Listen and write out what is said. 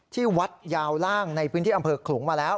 ที่วัดยาวล่างในพื้นที่อำเภอขลุงมาแล้ว